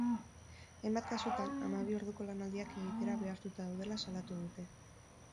Hainbat kasutan, hamabi orduko lanaldiak egitera behartuta daudela salatu dute.